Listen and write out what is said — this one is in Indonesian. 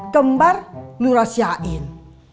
kembar lu rahasiain